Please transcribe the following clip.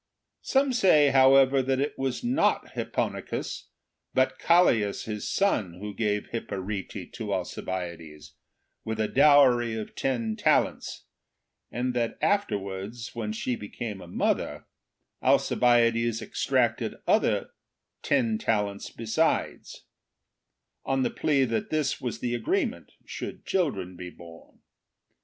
Some say, however, that it was not Hipponicus, but Callias, his son, who gave Hipparete to Alcibiades, with a dowry of ten talents; and that afterwards, when she became a mother, Alcibiades exacted other ten talents besides, on the plea that this was the agreement, should children be born.